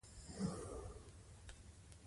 آیا ملالۍ د چوپان لور وه؟